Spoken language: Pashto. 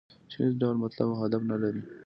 چې هېڅ ډول مطلب او هدف نه لري.